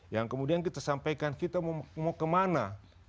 yang kemudian kita sampaikan kita mau kemana